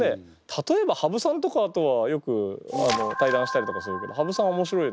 例えば羽生さんとかとはよく対談したりとかするけど羽生さん面白い。